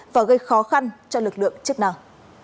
và gây khó khăn cho lực lượng chất năng